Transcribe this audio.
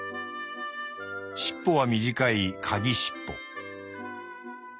尻尾は短い『かぎしっぽ』。